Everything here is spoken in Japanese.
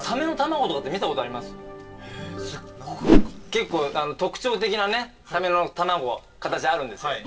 結構特徴的なねサメの卵形あるんです。